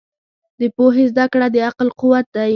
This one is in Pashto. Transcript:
د پوهې زده کړه د عقل قوت دی.